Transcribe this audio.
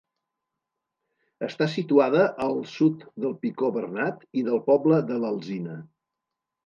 Està situada al sud del Picó Bernat i del poble de l'Alzina.